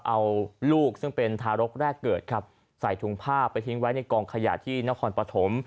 เอาลูกซึ่งเป็นทารกแรกเกิดครับใส่ถุงผ้าไปทิ้งไว้ในกองขยะที่นครปฐม